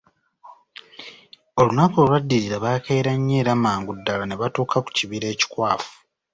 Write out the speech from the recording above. Olunaku olwadirira baakeera nnyo era mangu ddala ne batuuka ku kibira ekikwafu.